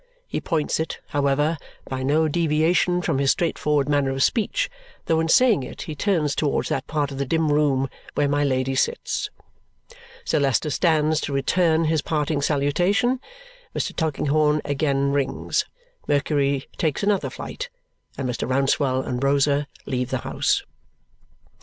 He points it, however, by no deviation from his straightforward manner of speech, though in saying it he turns towards that part of the dim room where my Lady sits. Sir Leicester stands to return his parting salutation, Mr. Tulkinghorn again rings, Mercury takes another flight, and Mr. Rouncewell and Rosa leave the house.